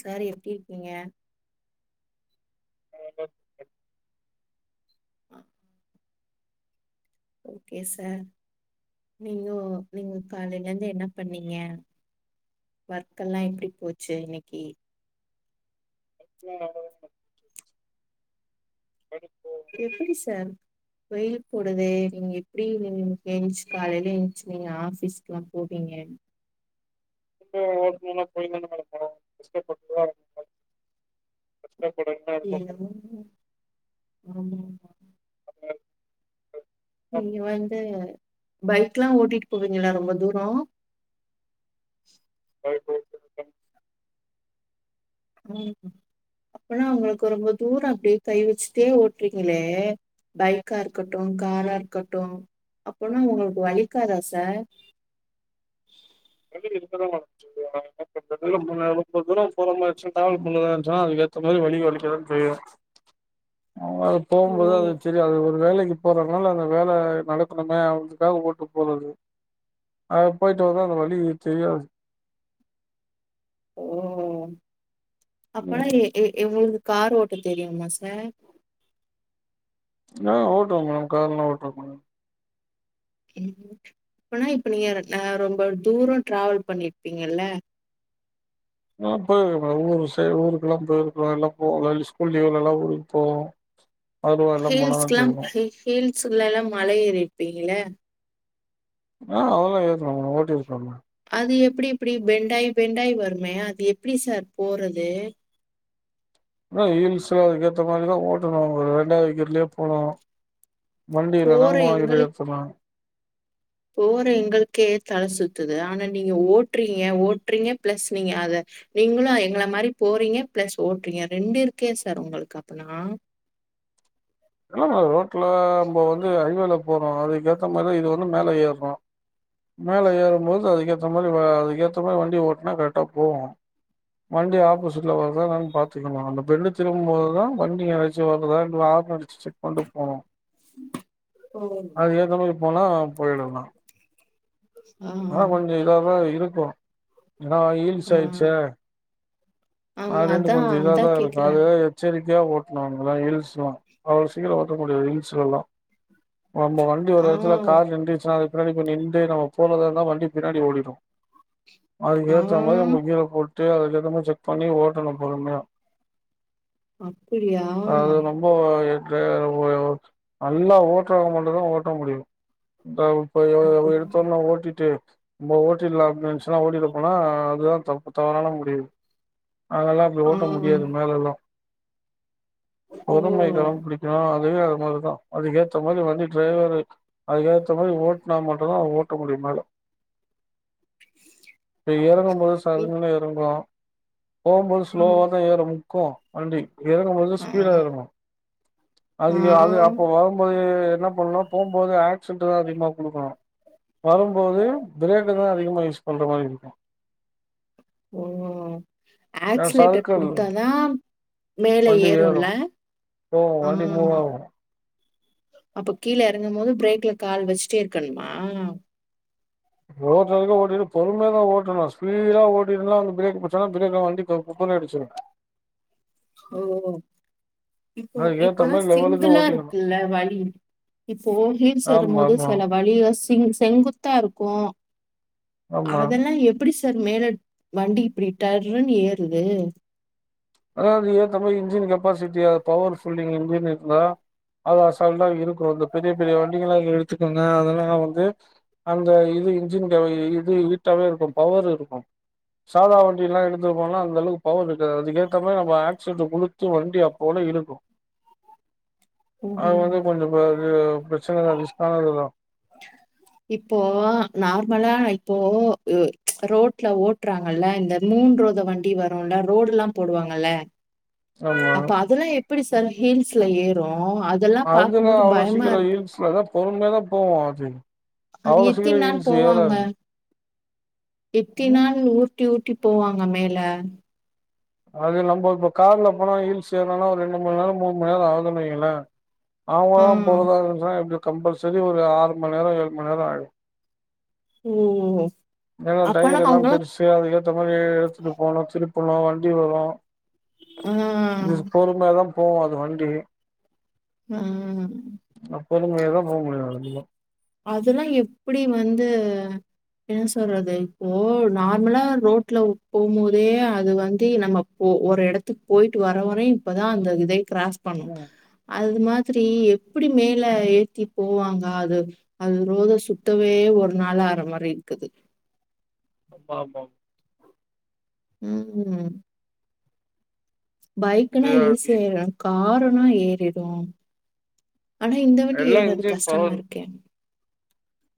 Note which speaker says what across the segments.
Speaker 1: Sir எப்டி இருக்கிங்க
Speaker 2: [inaudible]
Speaker 1: ஆ okay sir நீங்கோ நீங்க காலைல இருந்து என்ன பண்ணிங்க ஒர்க் எல்லா எப்படி போச்சு இன்னைக்கு
Speaker 2: ஒர்க்லா நல்லாதாமா போச்சு [inaudible]
Speaker 1: எப்படி சார் வெயில் போடுதே நீங்க எப்படி எந்ச்சு காலையில எழுந்ச்சு நீங்க ஆபீஸ்க் எல்லா போவீங்க
Speaker 2: [inaudible] போய் தான மேடம் ஆகணு [inaudible]
Speaker 1: என்னவோங்க ஆமாங்க நீங்க வந்து பைக்ல்லா ஓட்டிட்டு போவிங்களா ரொம்ப தூர
Speaker 2: [inaudible]
Speaker 1: ம் அப்பனா உங்களுக்கு ரொம்ப தூர அப்டியே கை வெச்சுட்டே ஓட்றிங்களே பைக்கா இருக்கட்டு காரா இருக்கட்டு அப்பனா உங்களுக்கு வலிக்காதா சார்
Speaker 2: வலி இருக்கதாமா செய்யு [inaudible] ரொம்ப தூர போற மாருந்ச்னா டராவல் பண்றதா இருந்துச்சன்னா அதுக்கேத்த மாரி வலி வலிக்குதா செய்யு அது போகும்போதா
Speaker 1: ஓ
Speaker 2: அது தெரியு அது ஒரு வேலை இப்பதனால அந்த வேலை நடக்கணுமே அவதுக்காக ஓட்டு போறது அது போயிட்டு வந்தா அந்த வலி தெரியாது
Speaker 1: ஓ அப்பனா
Speaker 2: ம்
Speaker 1: எ எ எவ்வள கார் ஓட்ட தெரியுமா சார்
Speaker 2: ஆ ஓட்டுவேன் மேடம் கார்ல்லாம் ஓட்டுவேன்
Speaker 1: ம் இப்பனா இப்ப நீங்க ஆ ரொம்ப தூரம் டிராவல் பண்ணிருப்பீங்கல்ல
Speaker 2: சேரி ஊருக்கெல்லாம் போயிருக்கல எல்லாம் ஸ்கூல் லீவ்ல எல்லாம் ஊருக்கு போவோ அதுல எல்லா போனாதா
Speaker 1: ஹீல்ஸ்க்லாம்
Speaker 2: செய்வோ
Speaker 1: ஹீ ஹீல் சுல்ல எல்லாம் மழை ஏறிர்ப்பீங்கள
Speaker 2: ஆ அதெல்லாம் ஏர்னோ அவுங்க ஓட்டிருப்பாங்க
Speaker 1: அது எப்டி எப்டி பெண்டாயி பெண்டாயி வருமே அது எப்டி சார் போறது
Speaker 2: அதான் ஹீல்ஸ் சோ அது அந்த மாதிரிதான் ஓட்டணும் ரெண்டாவது கீர்லே போனு வண்டியில்லனா
Speaker 1: போற
Speaker 2: மூணாவது கீர்
Speaker 1: எங்களுக்
Speaker 2: ஏத்தலாம்
Speaker 1: போற எங்களுக்கே தலை சுத்துது ஆனா நீங்க ஓட்றீங்க ஓட்றீங்க பிளஸ் நீங்க அத நீங்களும் எங்கள மாரி போறீங்க பிளஸ் ஓட்றீங்க ரெண்டு இருக்கே சார் உங்களுக்கு அப்பனா
Speaker 2: எல்லா ரோட்ல நம்ப வந்து ஹைவேல போறோம் அதுக்கேத்த மாதிரிதா இது வந்து மேல ஏர்றோம் மேல ஏறும் போது அதுக்கே அ மாரிவா அதுக்கேத்த மாரி வண்டி ஓட்னா கரெக்டா போவோம் வண்டி ஆப்போசிட்ல வந்தா பாத்துக்கணும் அந்த பெல்லு திரும்போதுதான் வண்டி நச்சி வருதா இல்ல ஆரோன் அடிச் செக் பண்ணிட்டு போனோ
Speaker 1: ஓ
Speaker 2: மாரி போனா போயிடலா
Speaker 1: ஆ
Speaker 2: ஆனா கொஞ்ச இததா இருக் கு ஏனா
Speaker 1: ஆ
Speaker 2: ஹீல்ஸ்ஸாயிச்சே
Speaker 1: ஆமா
Speaker 2: அப்டின்ட்டு
Speaker 1: அதான்
Speaker 2: கொஞ்சோ இதாதா
Speaker 1: அதான்
Speaker 2: இருக்கு அது
Speaker 1: கேக்குறேன்
Speaker 2: எச்சரிக் கையா ஓட்னு அங்கல்லா ஹில்ஸ்லா அவ்ளோ சீக்கிர ஓட்ட முடியாது ஹில்ஸ்லல்லா நம்ப வண்டி ஒரு
Speaker 1: ஆ
Speaker 2: எடத்துல கார் நின்ருச்சுனா அது பின்னாடி இப்ப நிண்டு நம்ம போறதாருந்தா வண்டி பின்னாடி ஓடிடு அதுக்கு
Speaker 1: ஆ
Speaker 2: ஏற்ற மாரி நம்ம கீரா போட் டு அதுக்கு ஏத்தமாரி செக் பண்ணி ஓடணு பொறுமையா
Speaker 1: அப்படியா
Speaker 2: அது ரொம்போ ஓ ட்ற ஓ நல்லா ஓட்றவங்க மட்டுந்தா ஓட்ட முடியு இந்த போய் எ
Speaker 1: அப்படி
Speaker 2: எடுத்தோன்ன ஓட்டிட்டு நம்ப ஓட்டிட்லா அப்டினு நெனச்சுலா ஓட்டிட்டு போனா அதுதா தப்பு தவறான முடிவு அதெல்லா அப்டி
Speaker 1: ஆ
Speaker 2: ஓட்ட முடியாது மேலெல்லா
Speaker 1: ஓ
Speaker 2: பொறுமை கடப்பிடிக்கணு அதுவே அது மாரிதா அதுக்கு ஏத்த மாரி வண்டி டிரைவரு அதுக்கேத்தமாரி ஓட் டுனா மட்டும்தா ஓட்ட முடியு மேல இப்ப எறங்கும் போது
Speaker 1: இப்-
Speaker 2: சர்ருனு எறங்கு போகும்போது ஸ்லோவாதா ஏறு க்கு வண்டி எறங்கும் போது
Speaker 1: ஆ
Speaker 2: ஸ்பீடா எறங்கும்
Speaker 1: ஆ
Speaker 2: அதுக்கு அது அப்போ வரும்போது என்ன பண்ணனும்னா போம்போது ஆக் ஸிலேட்ருதா அதிகமா குடுக்கணு வரும்போது பிரேக்கதா அதிகமா யூஸ் பண்ற மாரி இருக்கு
Speaker 1: ஓ
Speaker 2: ஏன்னா
Speaker 1: ஆக்ஸ்லேட்டர்
Speaker 2: சறுக்கல்
Speaker 1: குடுத்தாதா மேல
Speaker 2: வண்டி ஏறும்
Speaker 1: ஏறும்ல
Speaker 2: போவு வண்டி மூவ்
Speaker 1: ஆஹ்
Speaker 2: ஆகு
Speaker 1: அப்ப கீழ எறங்கும் போது பிரேக்ல கால் வெச்சுட்டே இருக்கணுமா
Speaker 2: ரோடு வரைக்கு ஓட்டிட்டு பொறுமையாதா ஓட்டனு ஸ்பீடா ஓட்டிட்ருந்தா வந்து பிரேக் புடிச்சாலு திடீர்னு வண்டி குப்பறடிச்சிரு
Speaker 1: ஓ இப்போ
Speaker 2: அதுக்கு ஏத்த
Speaker 1: இப்பெல்லா
Speaker 2: மாரி லெவலுக்கு
Speaker 1: சிங்கிலா
Speaker 2: ஓட்டிக்கணு
Speaker 1: இருக்குல்ல வழி இப்போ ஹில்ஸ் ஏரும்
Speaker 2: ஆமா
Speaker 1: போது
Speaker 2: ஆமா
Speaker 1: சில வழிய செங்கு செங்குத்தா இருக்கு
Speaker 2: ஆமா
Speaker 1: அதெல்லா எப்டி சார் மேல வண்டி இப்டி டர்ருனு ஏறுது
Speaker 2: அதாவது இந்த மாரி இன்ஜின் கெப்பாசிட்டியா பவர்ஃபுல்லிங் இன்ஜின் இருந்தா அது அசால்டா இருக்கு அந்த பெரிய பெரிய வண்டிங்கள்ளா எடுத்துக்கங்க அதெல்லா வந்து அந்த இது இன்ஜின் இது ஹீட்டாவே இருக்கு பவர் இருக்கும் சாதா வண்டியெல்லா எடுத் திங்கனா அந்த அளவு பவர் இருக்காது அதிக மொத்தமா நம்ம ஆக்ஸிலேட்ரு குடுத்து வண்டி அப்றம்தா இழுக்கு அது
Speaker 1: ம்.
Speaker 2: வந்து கொஞ்சோ [unintelligible] செலது ரிஸ்க்கானது வரு
Speaker 1: இப்போ நார்மலா இப்போ எ ப்ச் ரோட்ல ஓட்டுறாங்கல்ல இந்த மூண் ரோத வண்டி வரும்ல ரோடுல்லாம் போடுவாங்கல்ல
Speaker 2: ஆமா
Speaker 1: அப்ப அதெல்லா எப்படி சார் ஹீல் ஸ்ல ஏறு
Speaker 2: அதுதானா அவ்வளவு சீக்கிரம் ஹில்ஸ்ல அதா பொறுமயாதா போவு அது
Speaker 1: அது
Speaker 2: அவ்ளோ சீக்கிரோ
Speaker 1: எத்தினாள்
Speaker 2: ஹீல்ஸ்
Speaker 1: போவாங்க
Speaker 2: ஏறாது ம்.
Speaker 1: எத்தினாள் ஊட்டி ஊட்டி போவாங்க மேல
Speaker 2: அது நம்ம இப்ப கார்ல போனா ஹீல்ஸ் ஏர்னா ஒரு ரெண்டு மண் நேரம் மூண் மணி நேரம் ஆகுற்ன்றில்லீங்க ஆமா
Speaker 1: ஆ.
Speaker 2: போறதா இருந்துச்சுனா எப்படி கம்பல்சரி ஒரு ஆறு மண் நேரோ ஏழு மண் நேரோ ஆயிடு
Speaker 1: உம் உம்
Speaker 2: ஏனா டயர் எல்லாம் பெருசு அதுக்கேத்த மாரி எடுத்துட்டு போனு திரு போன வண்டி வரு
Speaker 1: ஆ,
Speaker 2: கொஞ்சோ பொறுமயாதா போவோ வண்டி
Speaker 1: ஆ.
Speaker 2: அப்போ நீங்க [unintelligible] போக முடியு நடந்துதா
Speaker 1: அதெல்லா எப்படி வந்து என்ன சொல்றது இப்போ நார்மலா ரோட்ல போம்போதே அது வந்து நம்ம போ ஒரு எடத்துக்கு போயிட்டு வரவரை இப்பதா அந்த இதே கிராஸ் பண்ணு
Speaker 2: ம்.
Speaker 1: அது மா த்திரி எப்படி மேல ஏத்தி போவாங்க அது அது ரோத சுத்தவே ஒரு நாள் ஆற மாரி இருக்குது
Speaker 2: ஆமா ஆமா
Speaker 1: உம் உம் பைக்னா ஈஸி ஆயிடு காரு ஏறிடு உம் ஆனா இந்த வண்டி
Speaker 2: எல்லா
Speaker 1: ஏறாது
Speaker 2: இன்ஜின்
Speaker 1: கஷ்டமா
Speaker 2: பவர்
Speaker 1: இருக்கே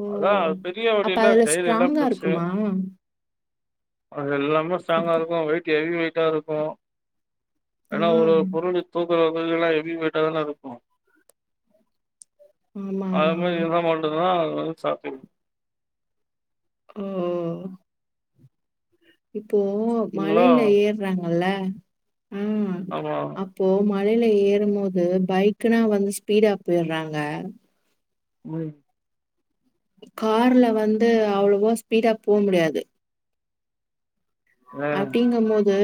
Speaker 1: ஓ
Speaker 2: அதா பெரிய
Speaker 1: அப்ப
Speaker 2: வண்டியில
Speaker 1: அதுல
Speaker 2: டயர் எல்லா
Speaker 1: ஸ்ட்ராங்கா
Speaker 2: பெருசு
Speaker 1: இருக்குமா
Speaker 2: அது எல்லாம் ரொம்ப ஸ்ட்ராங்கா
Speaker 1: அப்போ
Speaker 2: இருக்கு வெயிட் ஹெவி வெய்ட்டா இருக்கு
Speaker 1: ஆ.
Speaker 2: ஏன்னா ஒரு பொருள் இப்போ எல்லா எவி வெய்ட்டாதான இருக்கு அது
Speaker 1: ஆமாமா.
Speaker 2: மாரி [unintelligible] அது ஸ்டாட்டிங்
Speaker 1: ஹும் ஹும் ம் இப்போ
Speaker 2: ஃபுல்லா
Speaker 1: மலையில ஏர்றாங்க நல்ல ஆஹ்
Speaker 2: ஆமா.
Speaker 1: அப்போ மலையில ஏறும் போது பைக்னா வந்து ஸ்பீடா போயர்றாங்க
Speaker 2: உம்
Speaker 1: கார்ல வந்து அவ்வளவோ ஸ்பீடா போ முடியாது
Speaker 2: அ
Speaker 1: அப்படிங்க மோ து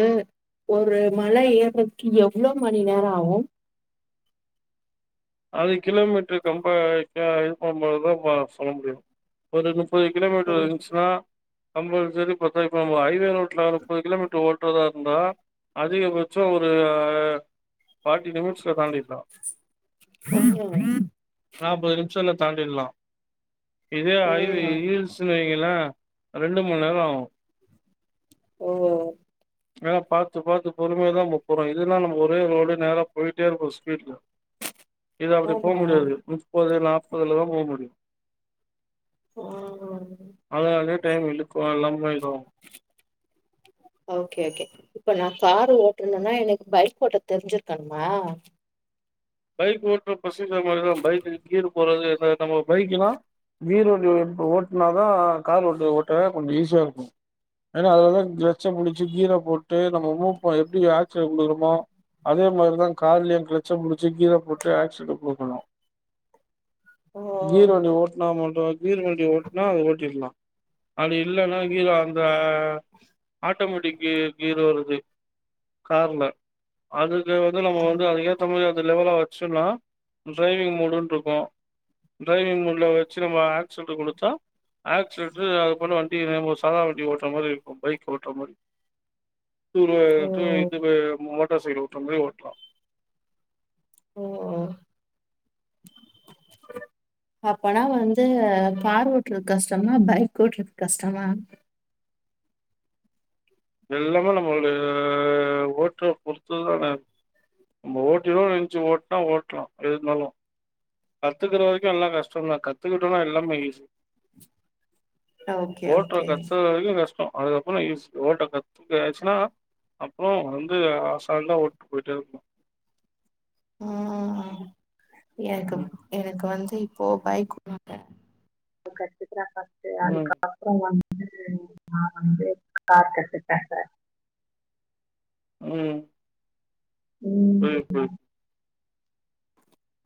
Speaker 1: ஒரு மல ஏர்றதுக்கு எவ்ளவு மணி நேர ஆகு
Speaker 2: அது கிலோமீட்டரு கம்ப அ அ இது பண்ணம்போதுதா சொல்ல முடியு ஒரு முப்பது
Speaker 1: ஆ
Speaker 2: கிலோமீட்டர் இருந்துச்சுன்னா அம்பது சரி பத்த [unintelligible] முப்பது கிலோமீட்டர் ஓட்றத இருந்தா அதிகபட்ச ஒரு பார்ட்டி நிமிட்ஸ தாண்டிக்லா
Speaker 1: ஹ
Speaker 2: நாப்பது நிமிஷம்ல தாண்டிடலா இதே
Speaker 1: ஆ,
Speaker 2: ஆய்வு [unintelligible] வை ன ரெண்டு மணி நேர ஆகு
Speaker 1: ஓ
Speaker 2: ஏன்னா பாத்து பாத்து பொறுமையாதா போ போறோ இதுனா நமக்கு ஒரே ரோடு நேரா போயிட்டே இருப்போ ஸ்பீட்ல இது அப்படி போக
Speaker 1: ஆமா.
Speaker 2: முடியாது முப்பது நாப்பதுலதா போக முடியு
Speaker 1: ஆ
Speaker 2: அதது அ டைம் இழுக்கு அல்லா போயிடு
Speaker 1: ஓகே ஓகே இப்ப நா காரு ஓட்டனுன்னா எனக்கு பைக் ஓட்ட தெரிஞ்சிருக்கணுமா
Speaker 2: பைக் ஓட்ட ஃபர்ஸ்ட் இந்த மாரி தான் பைக்கு கீரு இப்ப ஒரு ந நம்ம பைக்குனா கீர் வண்டி எடுத்து ஓட்னா தா கார் வந்து ஓட்டவே கொஞ்ச ஈஸியா இருக்கு ஏன்னா அதுல தா கிளட்ச புடிச்சு கீர போட்டு நாம மு எப்படி ஆக்சிலேட் குடுக்கறமோ அதே மாரி தா கார்லையு கிளட்ச புடிச் சு கீர போட்டு ஆக்சிலேட்டர் குடுக்கணு
Speaker 1: ஓ
Speaker 2: கீர்வண்டி ஓட்டனா மட்டு கீர்வண்டி ஓட்டனா அது ஓட்டிடலா அது இல்லைன்னா கீரோ அந்த ஆட்டோமேட்டிக்கு கீரு வருது கார்ல அது த வந்து நம்ம வந்து அதுக்கேத்த மாரி அந்த லெவலா வச்சுன்னா டிரைவிங் மோடுன்னு இருக்கு டிரைவிங் மோட்ல் வச்சு நம்ம ஆக்சிலேட்டு குடுத்தா ஆக்சிலேட்டர் அது போல் வண்டி நம்ம சாதா வண்டி ஓட்டுற மாரி இருக்கு பைக்கு ஓட்டுற மாரி [unintelligible]
Speaker 1: ஓ
Speaker 2: இந்த சைடு ஓட்ற மாரி ஓட்டலா
Speaker 1: ஓ அப்பனா வந்து கார் ஓட்டுறது கஷ்டம்னா பைக் ஓட்டுறது கஷ்டமா
Speaker 2: எல்லாமே நம்மளுடய ஓட்ற பொருத்துதானே ஓட்டிருவோ நெனைச்சு ஓட்டுனா ஓட்லா எதிருந்தாலு [unintelligible] கத்துக்கற வரைக்கு எல்லா கஷ்டந்தா கத் த்துக்கிட்டோனா எல்லாமே ஈசி
Speaker 1: ஓகே
Speaker 2: ஓட்ற
Speaker 1: ஓகே
Speaker 2: கத்துக்கிறாத வரைக்கு கஷ்டோ அதுக்கப்புறோ ஈசி ஓட்ட கத்துக்கிறாச்சினா அப்புறோ வந்து அசால்டா ஓட்டிட்டு போயிட்டே இருக்கலா
Speaker 1: ம் எனக்குப்
Speaker 2: ம்,
Speaker 1: எனக்கு வந்து இ ப்போ பைக்கு [inaudible] இப்ப தா ஃபர்ஸ்ட்
Speaker 2: ம்,
Speaker 1: அதுக்கப்பற வந் உம் நா வந்து கார் கத்துட்டே கரக்ட்
Speaker 2: உம்
Speaker 1: ம்
Speaker 2: உம் உம்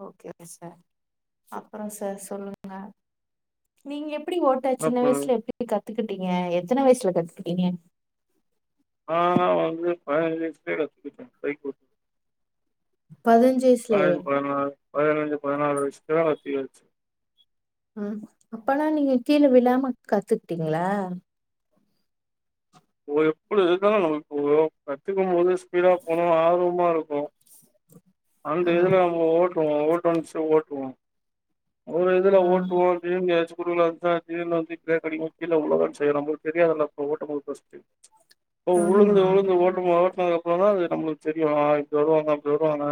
Speaker 1: ஓகே ஓகே சார்
Speaker 2: புரியுது.
Speaker 1: அப்பற சார் சொல்லுங்க நீங்க எப் படிங் ஓட்ட
Speaker 2: என்ன
Speaker 1: சின்ன
Speaker 2: பண்ணுறது?
Speaker 1: வயசுல எப்டி கத் துகிட்டீங்க எத்தன வய்சுல கத்துக்கிட்டீங்க
Speaker 2: ஆ வந்து பதனஞ்சு வயசுலயே கத்துக்கிட்டே பைக் ஓட்ட
Speaker 1: பதனஞ்சு வயசுலயே
Speaker 2: பதனஞ்சு பதனாளு வயசுலயோ [unintelligible]
Speaker 1: உம் அப்பன்னா நீங்க கீழ விழாம கத்துக்கிட்டீங்களா
Speaker 2: ஓ எப்படி இருந்தாலு நம்மலுக்கு விழு கத்துக்கு போது ஸ்பீடா போன ஆர்வமா இருக் அந்த
Speaker 1: ஆ
Speaker 2: இதுல அவ ஓட் [unintelligible] ஓட்டுவோ ஒரு இதுல
Speaker 1: ஆ
Speaker 2: ஓட்டுவோ திரும்பி ஏதாச்சு குறுகலா இந்தா நேர்ல வந்து ப்ரேக் அடிக்கவு கீழ உழதா செய்ரோ உங்களுக்கு தெரியாதில்ல அப்ப ஓட்டம் போது ஃபஸ் இப்ப
Speaker 1: ஆமா
Speaker 2: உழுந்து உழுந்து ஓட்டும் போது ஓட்னதுக்கப் அப்பதா அது நம்ளுக்கு தெரியு ஆ இப்டி வருவாங்க அப்டி வருவாங்க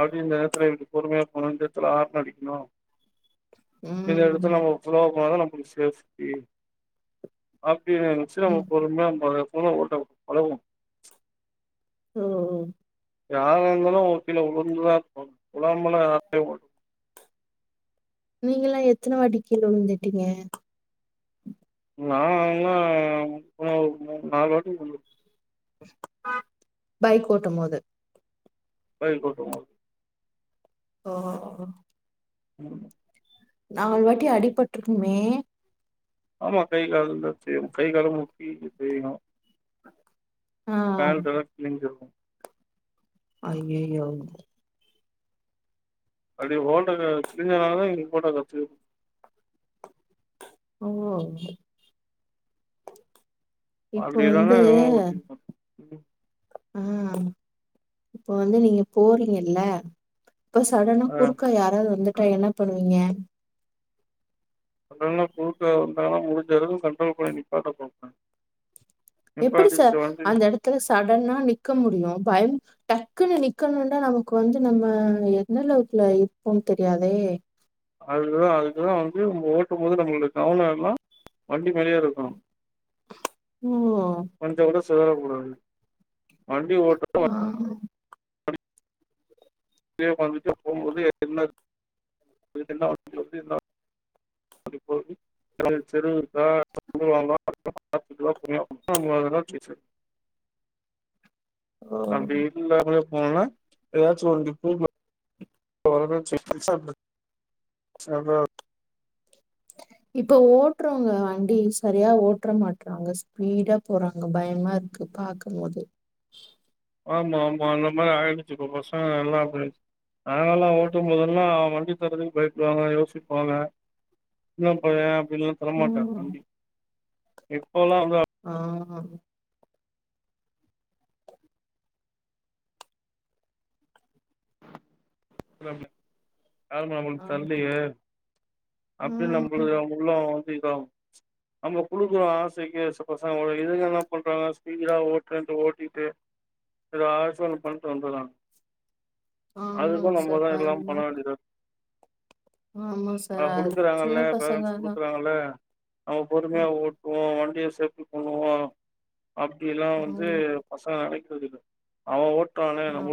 Speaker 2: அப்டி இந்த எடத்துல இப்டி பொறுமையா போணு இந்த எடத்ல ஆர்ணடிக்கணு இந்த எடத்துல
Speaker 1: ம்
Speaker 2: நம்மோ ஸ்லோவா போன தா
Speaker 1: ம்
Speaker 2: நம் [unintelligible] [unintelligible] [inaudible]
Speaker 1: ம் ம்
Speaker 2: யாராருந்தாலு கீழ உழுந்துதா உழாமலா யார்லயு ஓட்
Speaker 1: நீங்கெல்லா எத்தன வாட்டி கீழ உழுந்துட்டீங்க
Speaker 2: நால்லா [unintelligible] மூண் நாலு வாட்டி உழு
Speaker 1: பைக் ஓட்டம் போது
Speaker 2: பைக் ஓட்டும் போ
Speaker 1: ஓ
Speaker 2: ம்
Speaker 1: நால் வாட்டி அடிபட்ருக்குமே
Speaker 2: ஆமா கை கால்லா தே கை காலு முட்டி தேய்யு
Speaker 1: ஆ
Speaker 2: பேண்ட்டெல்லா கிழிஞ்சிருக்
Speaker 1: அய்யய்யோ
Speaker 2: அப்டி [unintelligible] கிழிஞ்சனாலதா இன்க்கி ஓட்ட கத்துக்
Speaker 1: ஓ இப்போ
Speaker 2: அப்டியே தாங்க
Speaker 1: வந்து
Speaker 2: எல்லா ஓட்டிர்க்கோ
Speaker 1: ஆ இப்போ வந்து நீங்க போறீங்கல்ல இப்ப சடனா
Speaker 2: ஆ
Speaker 1: குறுக்கா யாராவ்து வந்து என்ன பண்ணுவிங்க
Speaker 2: வந்தாங்னா குறுக்க வந்தாங்னா முடிஞ்ச அளவு கண்ட்ரோல் பண்ணி நிப்பாட்ட பாப்ப
Speaker 1: எப்படி சார் அந்த எடத்துல சடனா நிக்க முடியு பயம் டக்குன்னு நிக்கணுனா நமக்கு வந்து நம்ம எந்த அளவுக்குல இருப்போம் தெரியாதே
Speaker 2: அதுதா அதுகுதா வந்து ஓ ட்டும் போது நம்ளுக் கவன எல்லா வண்டி மேலயே இருக்கனு
Speaker 1: ஓ
Speaker 2: கொஞ்சங் கூட செதறக்கூடாது ம் வண்டி ஓட்ட
Speaker 1: ஆ
Speaker 2: [inaudible] இதே வந்துட்டு போம்போது என்ன வண்டி வருது என்ன வண்டி போவுது எதாது தெரு இருக்கா திரும்பலாமா [inaudible]
Speaker 1: ஓ
Speaker 2: அப்டி இருந்தா கூட போனோனா ஏதாச்சும் உனக்கு [inaudible] அதா
Speaker 1: இப்ப ஓட்டுறவங்க வண்டி சரியா ஓட்டுற மாட்டறாங்க ஸ்பீடா போறாங்க பயமா இருக்கு பாக்கும்போது
Speaker 2: ஆமா ஆமா அந்த மாதிரி ஆகிடுச்சு இப்ப பசங்க எல்லா அப்பிடி நாங்கல்லாம் ஓட்டும்போதல்லாம் வண்டி தர்றதுக்கு பயப்படுவாங்க யோசிப்பாங்க சின்னா பய்யன் அப்டின்ல்லாம் தரமாட்டாங்க
Speaker 1: ம்
Speaker 2: வண்டி எ போலாம் [inaudible]
Speaker 1: அஹ்
Speaker 2: [unintelligible] யாருமே நம்மளுக்கு
Speaker 1: ஆமா
Speaker 2: தரல்லயே அப்டின்னு நம்மகுள்ள
Speaker 1: ம்
Speaker 2: [unintelligible] நமக்குள்ள அப்டி இதாகும் ச் நம்ம குடுக்குறோ ஆசைக்கி சப்போஸ் அவுங்களோட இதுங்க என்னா பண்றாங்க ஸ்பீடா ஓட்றேன்டு ஓட்டிட்டு ஏதாச்சும் ஒன்னு பண்ட்டு வந்தற்றாங்க
Speaker 1: ஆமா
Speaker 2: இப்போ நம்மதான் எல்லாம் பண்ண வேண்டியதா இருக்கு
Speaker 1: ஆமா சார்
Speaker 2: அவுங்க
Speaker 1: அது
Speaker 2: குடுக்குறாங்கள்ள
Speaker 1: சின்ன பசங்க
Speaker 2: பேரன்ட்ஸ்
Speaker 1: தா
Speaker 2: குடுக்குறாங்கள்ள நம்ம பொறுமையா ஓட்டுவோம் வண்டிய சேஃப்டி பண்ணுவோம் அப்டியல்லாம்
Speaker 1: ஆ
Speaker 2: வந்து
Speaker 1: ம்
Speaker 2: பசங்க நெனைக் அவன் ஓட் றான்னு
Speaker 1: ஆ
Speaker 2: நம்மளும்